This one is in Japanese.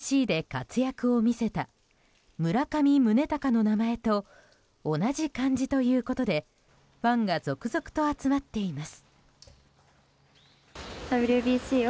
ＷＢＣで活躍を見せた村上宗隆の名前と同じ漢字ということでファンが続々と集まっています。